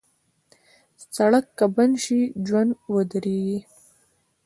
سړک که بند شي، ژوند ودریږي.